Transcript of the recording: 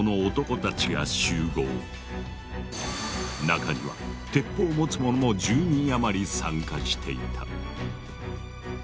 中には鉄砲を持つ者も１０人余り参加していた。